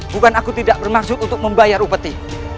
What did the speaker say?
bukan aku tidak bermaksud untuk membayar upeti